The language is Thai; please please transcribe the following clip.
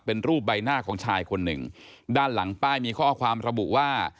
เป็นรูปใบหน้าของชายคนหนึ่งด้านหลังป้ายมีข้อความระบุว่า